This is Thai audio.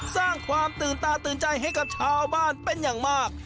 สร้างความตื่นตาตื่นใจให้กับชาวบ้านเป็นอย่างมาก